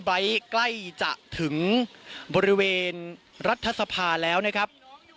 ไว้ใกล้จะถึงบริเวณรัฐสภาแล้วนะครับ